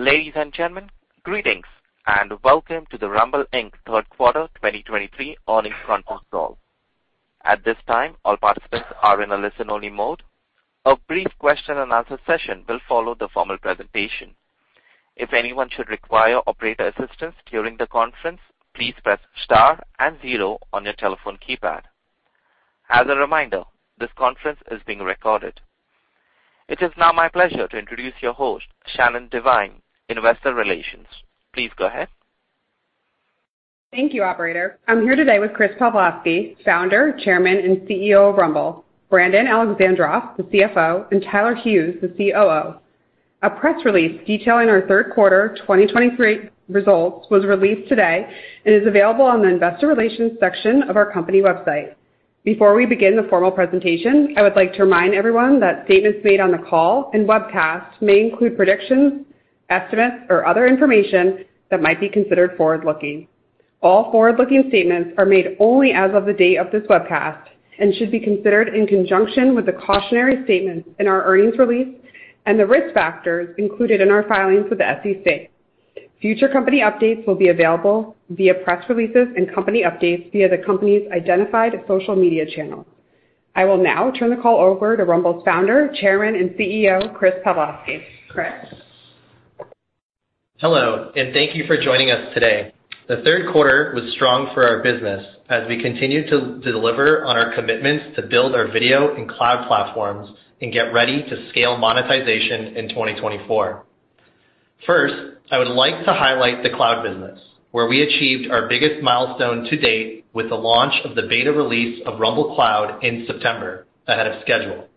Ladies and gentlemen, greetings, and welcome to the Rumble Inc. third quarter 2023 earnings conference call. At this time, all participants are in a listen-only mode. A brief question and answer session will follow the formal presentation. If anyone should require operator assistance during the conference, please press star and zero on your telephone keypad. As a reminder, this conference is being recorded. It is now my pleasure to introduce your host, Shannon Devine, Investor Relations. Please go ahead. Thank you, operator. I'm here today with Chris Pavlovski, Founder, Chairman, and CEO of Rumble; Brandon Alexandroff, the CFO; and Tyler Hughes, the COO. A press release detailing our third quarter 2023 results was released today and is available on the investor relations section of our company website. Before we begin the formal presentation, I would like to remind everyone that statements made on the call and webcast may include predictions, estimates, or other information that might be considered forward-looking. All forward-looking statements are made only as of the date of this webcast and should be considered in conjunction with the cautionary statements in our earnings release and the risk factors included in our filings with the SEC. Future company updates will be available via press releases and company updates via the company's identified social media channels. I will now turn the call over to Rumble's Founder, Chairman, and CEO, Chris Pavlovski. Chris? Hello, and thank you for joining us today. The third quarter was strong for our business as we continued to deliver on our commitments to build our video and cloud platforms and get ready to scale monetization in 2024. First, I would like to highlight the cloud business, where we achieved our biggest milestone to date with the launch of the beta release of Rumble Cloud in September, ahead of schedule.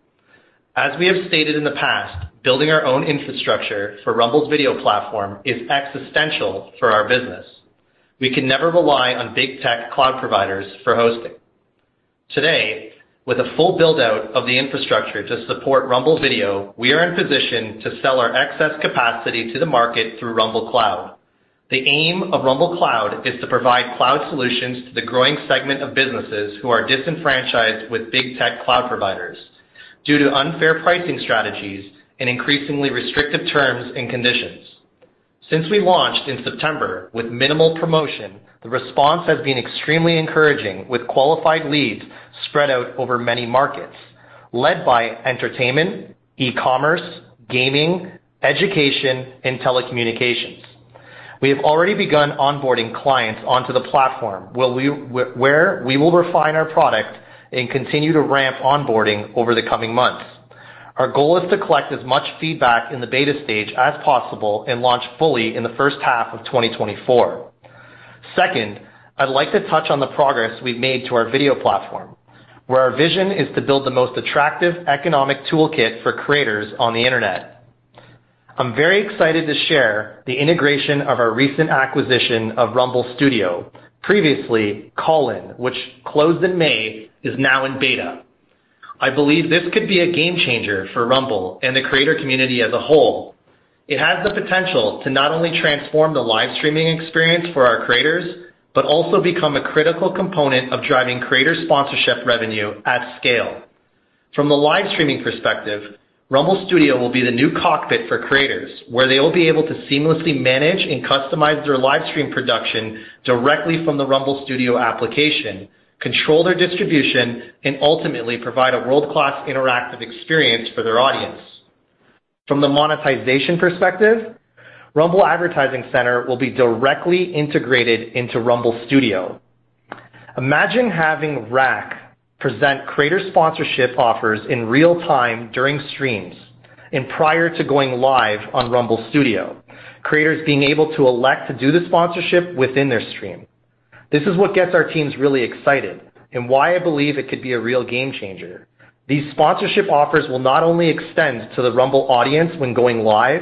As we have stated in the past, building our own infrastructure for Rumble's video platform is existential for our business. We can never rely on big tech cloud providers for hosting. Today, with a full build-out of the infrastructure to support Rumble Video, we are in position to sell our excess capacity to the market through Rumble Cloud. The aim of Rumble Cloud is to provide cloud solutions to the growing segment of businesses who are disenfranchised with big tech cloud providers due to unfair pricing strategies and increasingly restrictive terms and conditions. Since we launched in September with minimal promotion, the response has been extremely encouraging, with qualified leads spread out over many markets, led by entertainment, e-commerce, gaming, education, and telecommunications. We have already begun onboarding clients onto the platform, where we will refine our product and continue to ramp onboarding over the coming months. Our goal is to collect as much feedback in the beta stage as possible and launch fully in the first half of 2024. Second, I'd like to touch on the progress we've made to our video platform, where our vision is to build the most attractive economic toolkit for creators on the internet. I'm very excited to share the integration of our recent acquisition of Rumble Studio, previously Callin, which closed in May, is now in beta. I believe this could be a game changer for Rumble and the creator community as a whole. It has the potential to not only transform the live streaming experience for our creators, but also become a critical component of driving creator sponsorship revenue at scale. From the live streaming perspective, Rumble Studio will be the new cockpit for creators, where they will be able to seamlessly manage and customize their live stream production directly from the Rumble Studio application, control their distribution, and ultimately provide a world-class interactive experience for their audience. From the monetization perspective, Rumble Advertising Center will be directly integrated into Rumble Studio. Imagine having RAC present creator sponsorship offers in real time during streams and prior to going live on Rumble Studio. Creators being able to elect to do the sponsorship within their stream. This is what gets our teams really excited and why I believe it could be a real game changer. These sponsorship offers will not only extend to the Rumble audience when going live,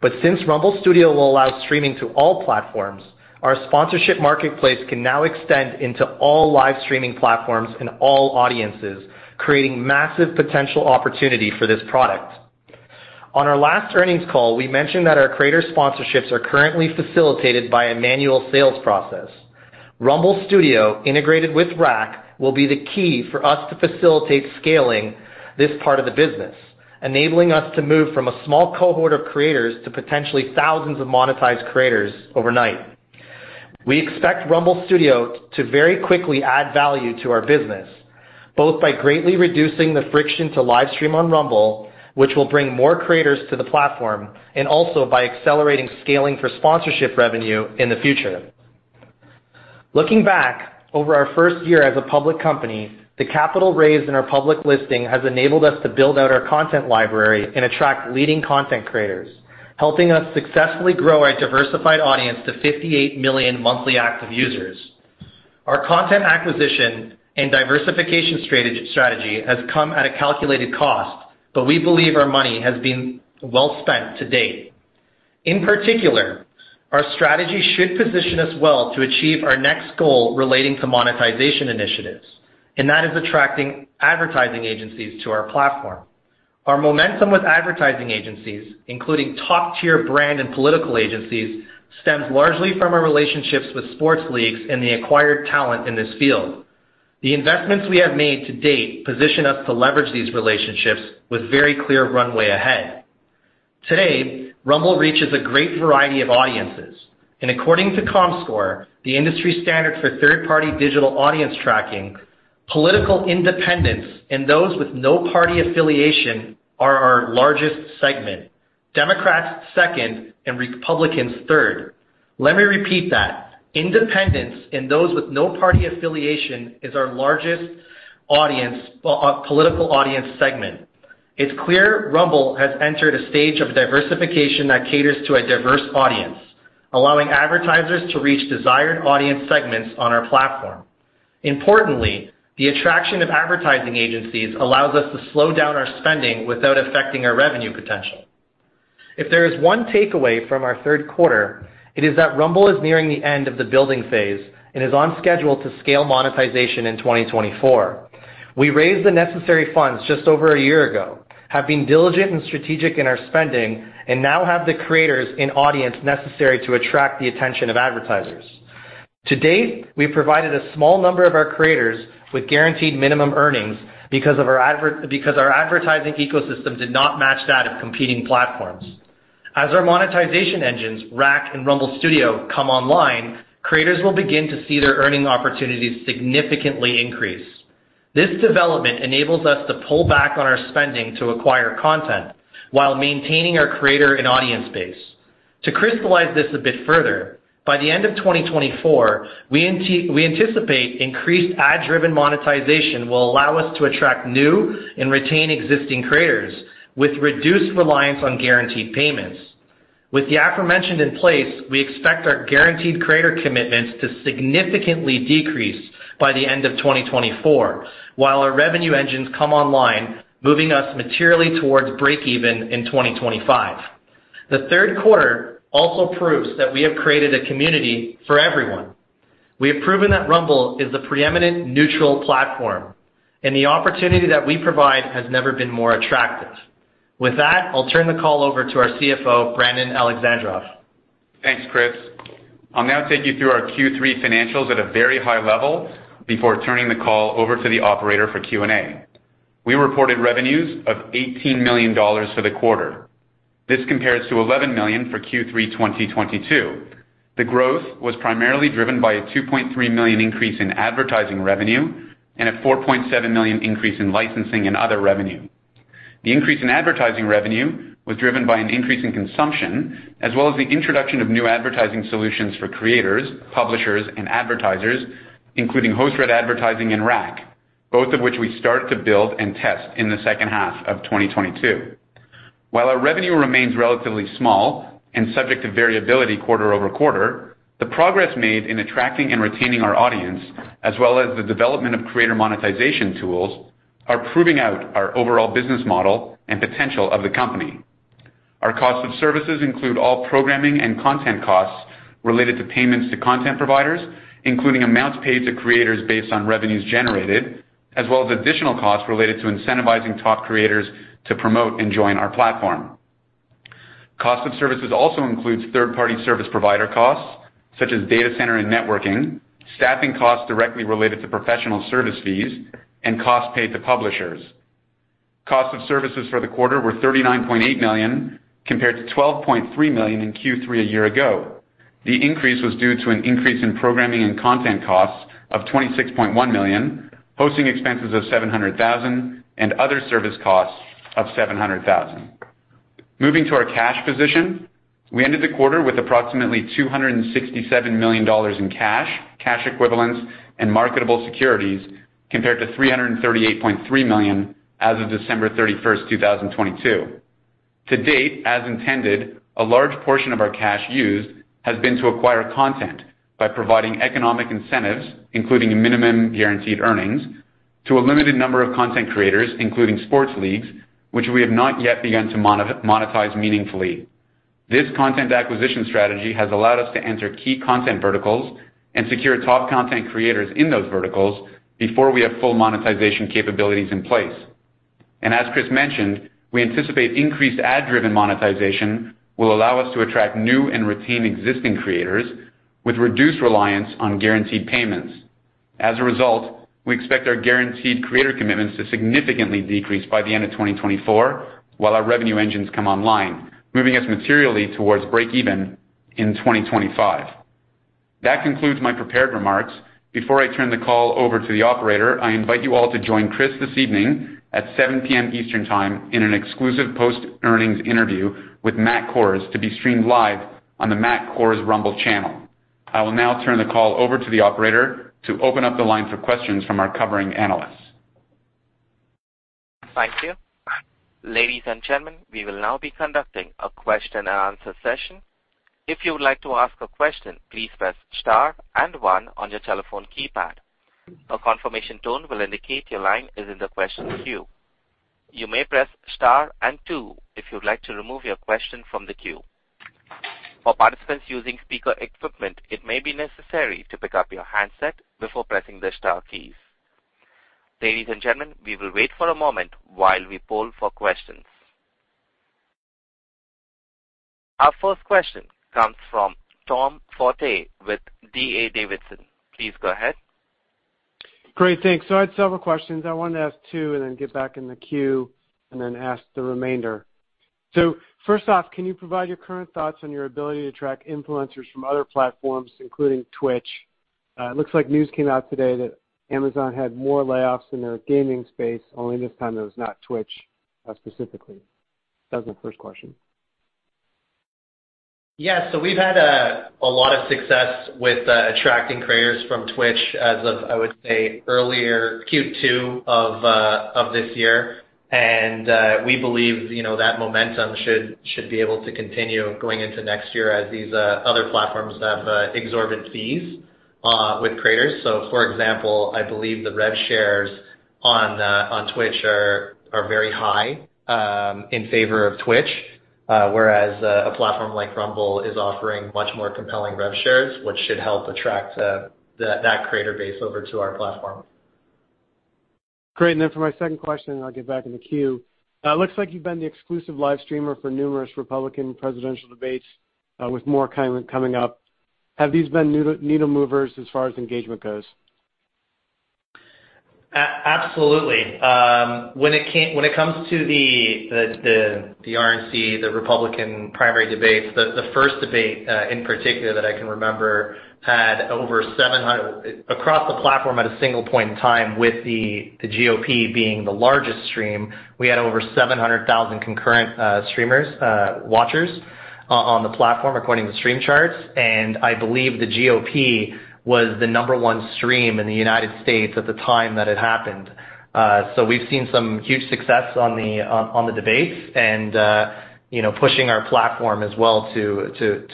but since Rumble Studio will allow streaming to all platforms, our sponsorship marketplace can now extend into all live streaming platforms and all audiences, creating massive potential opportunity for this product. On our last earnings call, we mentioned that our creator sponsorships are currently facilitated by a manual sales process. Rumble Studio, integrated with RAC, will be the key for us to facilitate scaling this part of the business, enabling us to move from a small cohort of creators to potentially thousands of monetized creators overnight. We expect Rumble Studio to very quickly add value to our business, both by greatly reducing the friction to live stream on Rumble, which will bring more creators to the platform, and also by accelerating scaling for sponsorship revenue in the future. Looking back over our first year as a public company, the capital raised in our public listing has enabled us to build out our content library and attract leading content creators, helping us successfully grow our diversified audience to 58 million monthly active users. Our content acquisition and diversification strategy has come at a calculated cost, but we believe our money has been well spent to date. In particular, our strategy should position us well to achieve our next goal relating to monetization initiatives, and that is attracting advertising agencies to our platform. Our momentum with advertising agencies, including top-tier brand and political agencies, stems largely from our relationships with sports leagues and the acquired talent in this field. The investments we have made to date position us to leverage these relationships with very clear runway ahead. Today, Rumble reaches a great variety of audiences, and according to Comscore, the industry standard for third-party digital audience tracking, political Independents and those with no party affiliation are our largest segment, Democrats second, and Republicans third. Let me repeat that. Independents and those with no party affiliation is our largest audience, political audience segment. It's clear Rumble has entered a stage of diversification that caters to a diverse audience, allowing advertisers to reach desired audience segments on our platform. Importantly, the attraction of advertising agencies allows us to slow down our spending without affecting our revenue potential. If there is one takeaway from our third quarter, it is that Rumble is nearing the end of the building phase and is on schedule to scale monetization in 2024. We raised the necessary funds just over a year ago, have been diligent and strategic in our spending, and now have the creators and audience necessary to attract the attention of advertisers. To date, we've provided a small number of our creators with guaranteed minimum earnings because our advertising ecosystem did not match that of competing platforms. As our monetization engines, RAC and Rumble Studio, come online, creators will begin to see their earning opportunities significantly increase. This development enables us to pull back on our spending to acquire content while maintaining our creator and audience base. To crystallize this a bit further, by the end of 2024, we anticipate increased ad-driven monetization will allow us to attract new and retain existing creators, with reduced reliance on guaranteed payments. With the aforementioned in place, we expect our guaranteed creator commitments to significantly decrease by the end of 2024, while our revenue engines come online, moving us materially towards breakeven in 2025. The third quarter also proves that we have created a community for everyone. We have proven that Rumble is the preeminent neutral platform, and the opportunity that we provide has never been more attractive. With that, I'll turn the call over to our CFO, Brandon Alexandroff. Thanks, Chris. I'll now take you through our Q3 financials at a very high level before turning the call over to the operator for Q&A. We reported revenues of $18 million for the quarter. This compares to $11 million for Q3 2022. The growth was primarily driven by a $2.3 million increase in advertising revenue and a $4.7 million increase in licensing and other revenue. The increase in advertising revenue was driven by an increase in consumption, as well as the introduction of new advertising solutions for creators, publishers, and advertisers, including host read advertising and RAC, both of which we start to build and test in the second half of 2022. While our revenue remains relatively small and subject to variability quarter over quarter, the progress made in attracting and retaining our audience, as well as the development of creator monetization tools, are proving out our overall business model and potential of the company. Our cost of services include all programming and content costs related to payments to content providers, including amounts paid to creators based on revenues generated, as well as additional costs related to incentivizing top creators to promote and join our platform. Cost of services also includes third-party service provider costs, such as data center and networking, staffing costs directly related to professional service fees, and costs paid to publishers. Cost of services for the quarter were $39.8 million, compared to $12.3 million in Q3 a year ago. The increase was due to an increase in programming and content costs of $26.1 million, hosting expenses of $700,000, and other service costs of $700,000. Moving to our cash position, we ended the quarter with approximately $267 million in cash, cash equivalents, and marketable securities, compared to $338.3 million as of December 31, 2022. To date, as intended, a large portion of our cash used has been to acquire content by providing economic incentives, including minimum guaranteed earnings, to a limited number of content creators, including sports leagues, which we have not yet begun to monetize meaningfully. This content acquisition strategy has allowed us to enter key content verticals and secure top content creators in those verticals before we have full monetization capabilities in place. As Chris mentioned, we anticipate increased ad-driven monetization will allow us to attract new and retain existing creators, with reduced reliance on guaranteed payments. As a result, we expect our guaranteed creator commitments to significantly decrease by the end of 2024, while our revenue engines come online, moving us materially towards breakeven in 2025. That concludes my prepared remarks. Before I turn the call over to the operator, I invite you all to join Chris this evening at 7 P.M. Eastern Time in an exclusive post-earnings interview with Matt Kohrs, to be streamed live on the Matt Kohrs Rumble Channel. I will now turn the call over to the operator to open up the line for questions from our covering analysts. Thank you. Ladies and gentlemen, we will now be conducting a question and answer session. If you would like to ask a question, please press star and one on your telephone keypad. A confirmation tone will indicate your line is in the questions queue. You may press star and two if you'd like to remove your question from the queue. For participants using speaker equipment, it may be necessary to pick up your handset before pressing the star keys. Ladies and gentlemen, we will wait for a moment while we poll for questions.... Our first question comes from Tom Forte with D.A. Davidson. Please go ahead. Great, thanks. So I had several questions. I wanted to ask two and then get back in the queue and then ask the remainder. So first off, can you provide your current thoughts on your ability to attract influencers from other platforms, including Twitch? It looks like news came out today that Amazon had more layoffs in their gaming space, only this time it was not Twitch, specifically. That was my first question. Yeah, so we've had a lot of success with attracting creators from Twitch as of, I would say, earlier Q2 of this year. And we believe, you know, that momentum should be able to continue going into next year as these other platforms have exorbitant fees with creators. So for example, I believe the rev shares on Twitch are very high in favor of Twitch, whereas a platform like Rumble is offering much more compelling rev shares, which should help attract that creator base over to our platform. Great. Then for my second question, and I'll get back in the queue. It looks like you've been the exclusive live streamer for numerous Republican presidential debates, with more coming up. Have these been needle movers as far as engagement goes? Absolutely. When it comes to the RNC, the Republican primary debates, the first debate in particular that I can remember had over 700,000 across the platform at a single point in time, with the GOP being the largest stream, we had over 700,000 concurrent streamers, watchers on the platform, according to StreamCharts. I believe the GOP was the number one stream in the United States at the time that it happened. So we've seen some huge success on the debates and, you know, pushing our platform as well to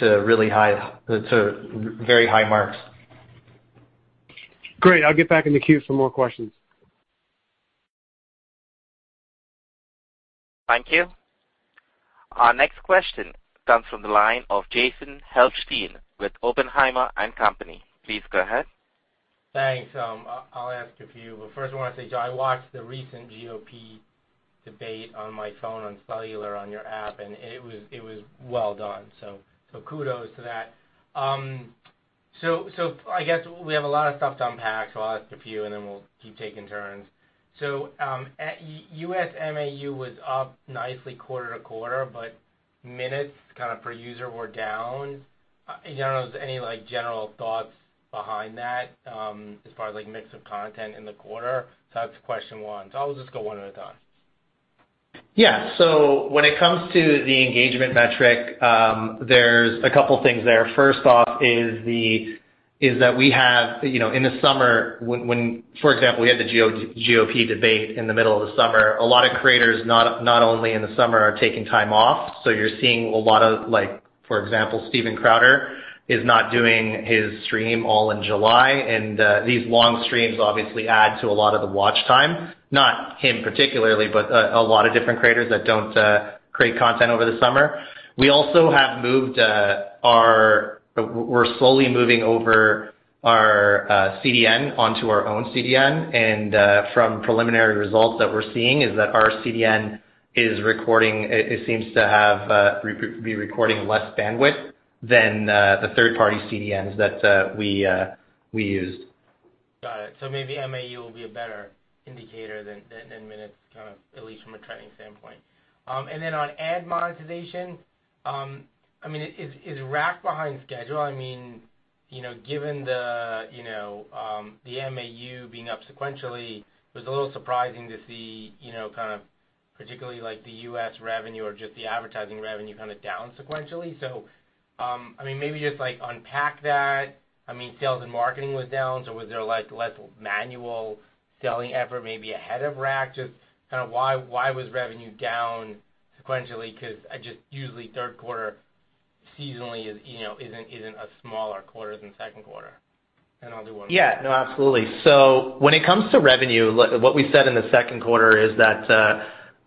very high marks. Great. I'll get back in the queue for more questions. Thank you. Our next question comes from the line of Jason Helfstein with Oppenheimer and Company. Please go ahead. Thanks. I'll ask a few. But first I want to say, Joe, I watched the recent GOP debate on my phone, on cellular, on your app, and it was well done, so kudos to that. So I guess we have a lot of stuff to unpack, so I'll ask a few and then we'll keep taking turns. U.S. MAU was up nicely quarter-over-quarter, but minutes kind of per user were down. I don't know, any like general thoughts behind that, as far as like mix of content in the quarter? So that's question one. I'll just go one at a time. Yeah. So when it comes to the engagement metric, there's a couple things there. First off is that we have, you know, in the summer, when, for example, we had the GOP debate in the middle of the summer, a lot of creators, not only in the summer, are taking time off. So you're seeing a lot of, like, for example, Steven Crowder is not doing his stream all in July. And these long streams obviously add to a lot of the watch time. Not him particularly, but a lot of different creators that don't create content over the summer. We also have moved our. We're slowly moving over our CDN onto our own CDN, and from preliminary results that we're seeing is that our CDN is recording less bandwidth than the third-party CDNs that we used. Got it. So maybe MAU will be a better indicator than minutes, kind of, at least from a trending standpoint. And then on ad monetization, I mean, is RAC behind schedule? I mean, you know, given the, you know, the MAU being up sequentially, it was a little surprising to see, you know, kind of particularly like the U.S. revenue or just the advertising revenue, kind of down sequentially. So, I mean, maybe just like unpack that. I mean, sales and marketing was down, so was there, like, less manual selling effort maybe ahead of RAC? Just kind of why was revenue down sequentially? 'Cause I just usually third quarter seasonally is, you know, isn't a smaller quarter than second quarter. And I'll do one. Yeah. No, absolutely. So when it comes to revenue, what we said in the second quarter is that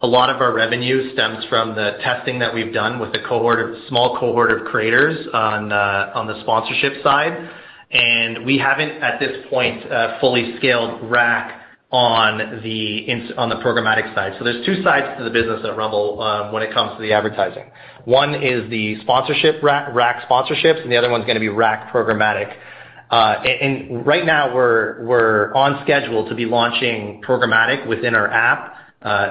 a lot of our revenue stems from the testing that we've done with a small cohort of creators on the sponsorship side. And we haven't, at this point, fully scaled RAC on the programmatic side. So there's two sides to the business at Rumble when it comes to the advertising. One is the sponsorship RAC, RAC sponsorships, and the other one's going to be RAC programmatic. And right now we're on schedule to be launching programmatic within our app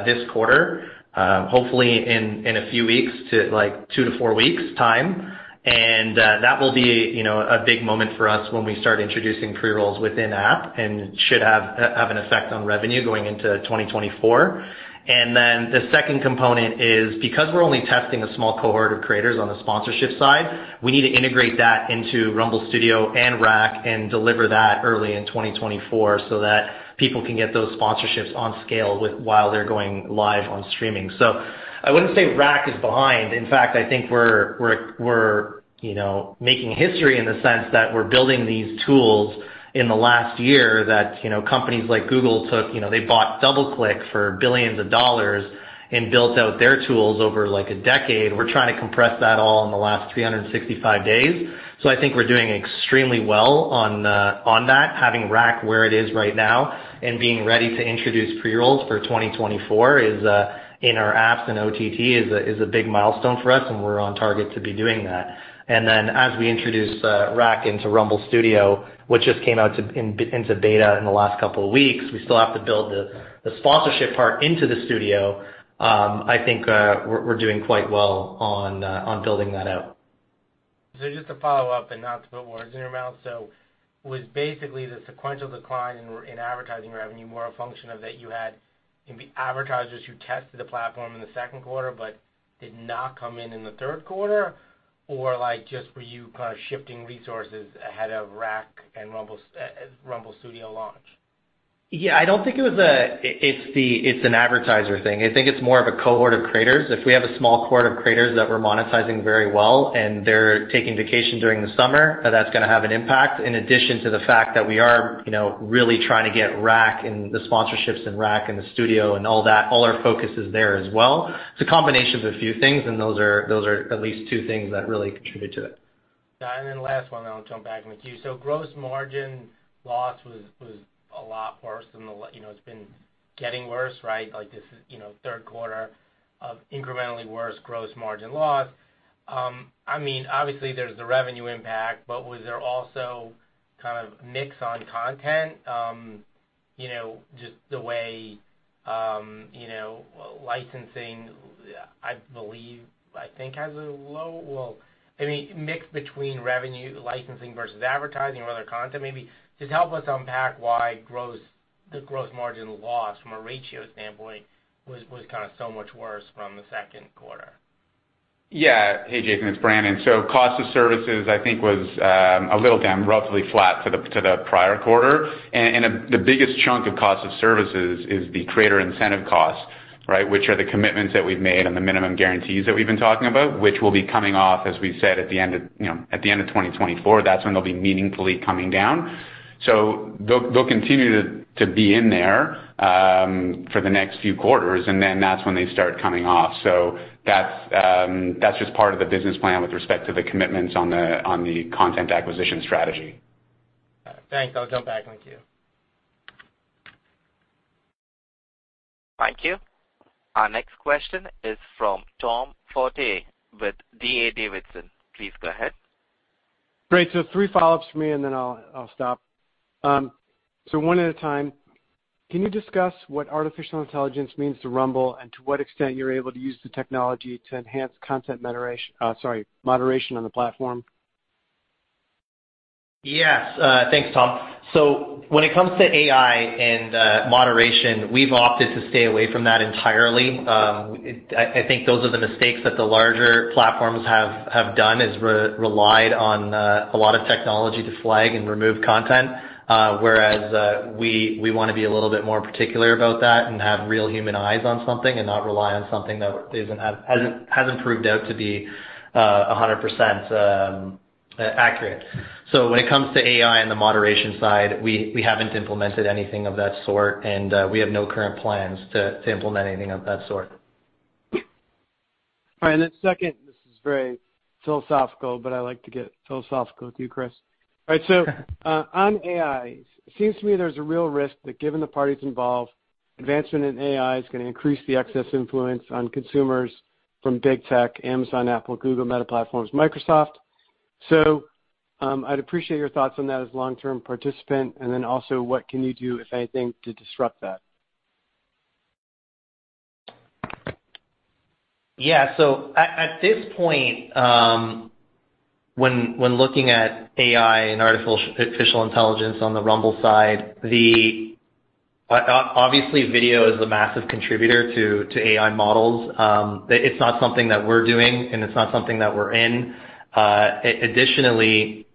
this quarter, hopefully in a few weeks to, like, two to four weeks time. That will be, you know, a big moment for us when we start introducing pre-rolls within app and should have an effect on revenue going into 2024. And then the second component is, because we're only testing a small cohort of creators on the sponsorship side, we need to integrate that into Rumble Studio and RAC and deliver that early in 2024, so that people can get those sponsorships on scale while they're going live on streaming. So I wouldn't say RAC is behind. In fact, I think we're, you know, making history in the sense that we're building these tools in the last year, that, you know, companies like Google took. You know, they bought DoubleClick for billions of dollars and built out their tools over like a decade. We're trying to compress that all in the last 365 days. So I think we're doing extremely well on, on that. Having RAC where it is right now and being ready to introduce pre-rolls for 2024 is, in our apps, and OTT is a, is a big milestone for us, and we're on target to be doing that. And then as we introduce, RAC into Rumble Studio, which just came out into beta in the last couple of weeks, we still have to build the sponsorship part into the studio. I think, we're doing quite well on, on building that out. So just to follow up, and not to put words in your mouth. So was basically the sequential decline in advertising revenue more a function of that you had maybe advertisers who tested the platform in the second quarter but did not come in the third quarter? Or, like, just were you kind of shifting resources ahead of RAC and Rumble Studio launch? Yeah, I don't think It's an advertiser thing. I think it's more of a cohort of creators. If we have a small cohort of creators that we're monetizing very well, and they're taking vacation during the summer, then that's going to have an impact, in addition to the fact that we are, you know, really trying to get RAC and the sponsorships in RAC and the studio and all that, all our focus is there as well. It's a combination of a few things, and those are, those are at least two things that really contribute to it. Yeah, and then last one, and I'll jump back with you. So gross margin loss was a lot worse than the last, you know, it's been getting worse, right? Like, this is, you know, third quarter of incrementally worse gross margin loss. I mean, obviously, there's the revenue impact, but was there also kind of mix on content, you know, just the way, you know, licensing, I believe, I think has a low... Well, I mean, mix between revenue, licensing versus advertising or other content maybe. Just help us unpack why the gross margin loss from a ratio standpoint was kind of so much worse from the second quarter. Yeah. Hey, Jason, it's Brandon. So cost of services, I think, was a little down, roughly flat to the prior quarter. And the biggest chunk of cost of services is the creator incentive cost, right? Which are the commitments that we've made and the minimum guarantees that we've been talking about, which will be coming off, as we said, at the end of, you know, at the end of 2024. That's when they'll be meaningfully coming down. So they'll continue to be in there for the next few quarters, and then that's when they start coming off. So that's just part of the business plan with respect to the commitments on the content acquisition strategy. Thanks. I'll jump back with you. Thank you. Our next question is from Tom Forte with D.A. Davidson. Please go ahead. Great. So three follow-ups for me, and then I'll stop. So one at a time: Can you discuss what artificial intelligence means to Rumble and to what extent you're able to use the technology to enhance content moderation on the platform? Yes. Thanks, Tom. So when it comes to AI and moderation, we've opted to stay away from that entirely. I think those are the mistakes that the larger platforms have done is relied on a lot of technology to flag and remove content. Whereas, we want to be a little bit more particular about that and have real human eyes on something and not rely on something that hasn't proved out to be 100% accurate. So when it comes to AI and the moderation side, we haven't implemented anything of that sort, and we have no current plans to implement anything of that sort. All right. And then second, this is very philosophical, but I like to get philosophical with you, Chris. All right, on AI, it seems to me there's a real risk that, given the parties involved, advancement in AI is going to increase the excess influence on consumers from big tech, Amazon, Apple, Google, Meta Platforms, Microsoft. So, I'd appreciate your thoughts on that as a long-term participant, and then also, what can you do, if anything, to disrupt that? Yeah. So at this point, when looking at AI and artificial intelligence on the Rumble side, obviously, video is a massive contributor to AI models. It's not something that we're doing, and it's not something that we're in. Additionally,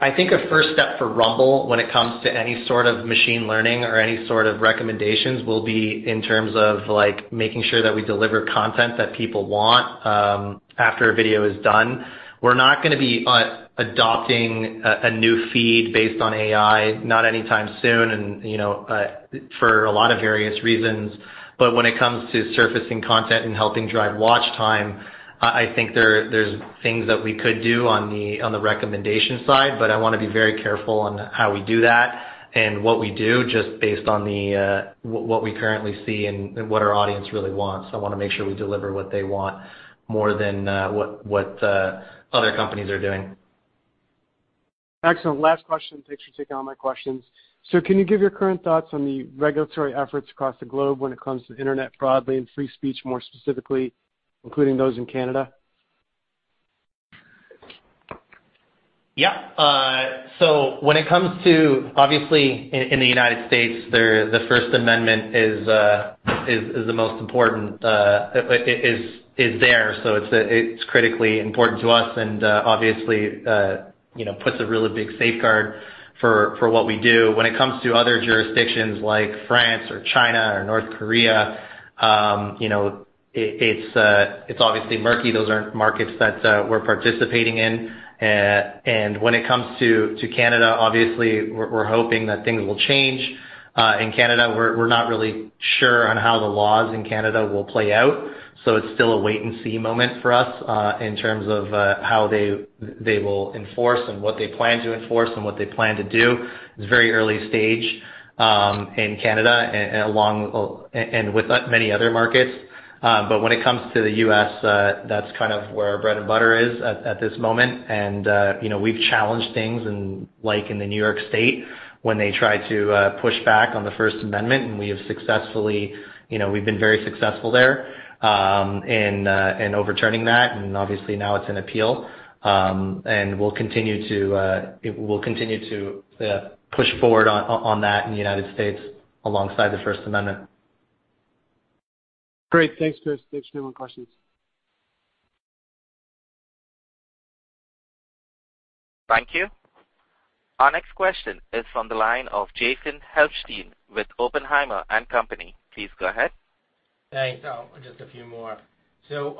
I think a first step for Rumble when it comes to any sort of machine learning or any sort of recommendations will be in terms of, like, making sure that we deliver content that people want, after a video is done. We're not going to be adopting a new feed based on AI, not anytime soon, and, you know, for a lot of various reasons. But when it comes to surfacing content and helping drive watch time, I think there's things that we could do on the recommendation side, but I want to be very careful on how we do that and what we do, just based on what we currently see and what our audience really wants. I want to make sure we deliver what they want more than what other companies are doing. Excellent. Last question. Thanks for taking all my questions. So can you give your current thoughts on the regulatory efforts across the globe when it comes to internet broadly and free speech, more specifically, including those in Canada? Yeah. So when it comes to. Obviously, in the United States, the First Amendment is the most important, it is there. So it's critically important to us and, obviously, you know, puts a really big safeguard for what we do. When it comes to other jurisdictions like France or China or North Korea. You know, it's obviously murky. Those aren't markets that we're participating in. And when it comes to Canada, obviously, we're hoping that things will change. In Canada, we're not really sure on how the laws in Canada will play out, so it's still a wait-and-see moment for us, in terms of how they will enforce and what they plan to enforce and what they plan to do. It's very early stage in Canada, along with many other markets. But when it comes to the U.S., that's kind of where our bread and butter is at, at this moment. And, you know, we've challenged things in, like in the New York State, when they tried to push back on the First Amendment, and we have successfully. You know, we've been very successful there, in overturning that, and obviously now it's in appeal. And we'll continue to push forward on that in the United States alongside the First Amendment. Great. Thanks, Chris. Thanks for your questions. Thank you. Our next question is from the line of Jason Helfstein with Oppenheimer and Company. Please go ahead. Thanks. Just a few more. Okay, so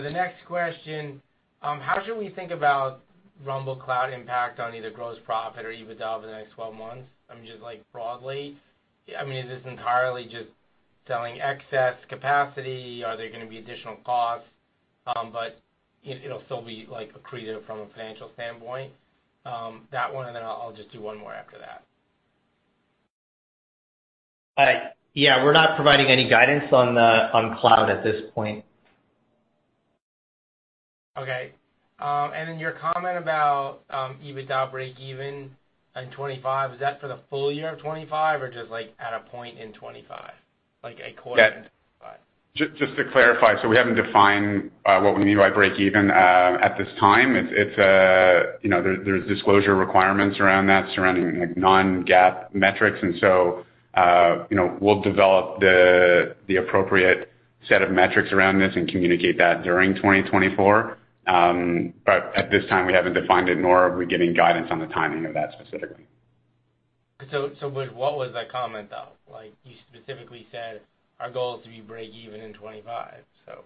the next question: How should we think about Rumble Cloud impact on either gross profit or EBITDA over the next 12 months? I mean, just, like, broadly. I mean, is this entirely just selling excess capacity? Are there going to be additional costs, but it, it'll still be, like, accretive from a financial standpoint? That one, and then I'll just do one more after that. Yeah, we're not providing any guidance on the cloud at this point. Okay. And then your comment about EBITDA breakeven in 2025, is that for the full year of 2025 or just, like, at a point in 2025? Like a quarter in 2025. Yeah. Just to clarify, so we haven't defined what we mean by breakeven at this time. It's you know, there's disclosure requirements around that, surrounding, like, non-GAAP metrics. And so, you know, we'll develop the appropriate set of metrics around this and communicate that during 2024. But at this time, we haven't defined it, nor are we giving guidance on the timing of that specifically. So, what was that comment, though? Like, you specifically said, "Our goal is to be breakeven in 2025," so.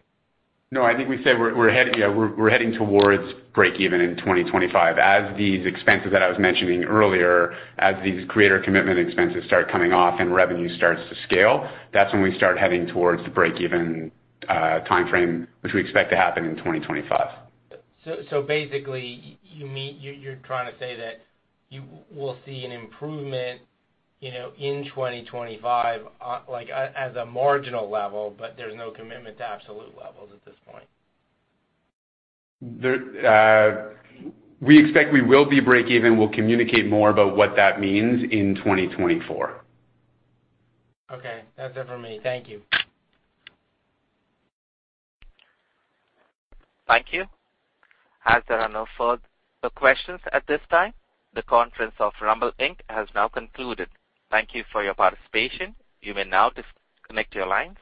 No, I think we said we're heading towards breakeven in 2025. As these expenses that I was mentioning earlier, as these creator commitment expenses start coming off and revenue starts to scale, that's when we start heading towards the breakeven timeframe, which we expect to happen in 2025. So, so basically, you mean, you're, you're trying to say that you will see an improvement, you know, in 2025, like, as a marginal level, but there's no commitment to absolute levels at this point? There, we expect we will be breakeven. We'll communicate more about what that means in 2024. Okay. That's it for me. Thank you. Thank you. As there are no further questions at this time, the conference of Rumble Inc. has now concluded. Thank you for your participation. You may now disconnect your lines.